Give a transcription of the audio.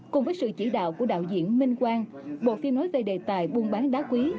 cùng với sự chỉ đạo của đạo diễn minh quang bộ phim nói về đề tài buôn bán đá quý